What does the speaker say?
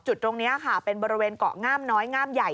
จุดตรงนี้ค่ะเป็นบริเวณเกาะงามน้อยงามใหญ่